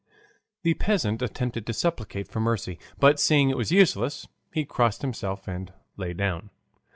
The peasant attempted to supplicate for mercy, but seeing it was useless, he crossed himself and lay down.